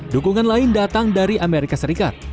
dukungan lain datang dari amerika serikat